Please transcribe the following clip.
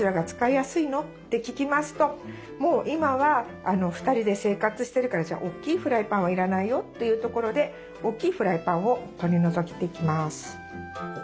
もう今は２人で生活してるから大きいフライパンは要らないよというところで大きいフライパンを取り除いていきます。